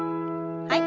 はい。